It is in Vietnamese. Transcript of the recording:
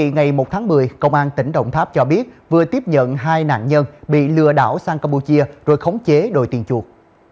ngày một tháng một mươi công an tỉnh động tháp cho biết vừa tiếp nhận hai nạn nhân bị lừa đảo sang campuchia rồi khống chế đổi tiền chuộc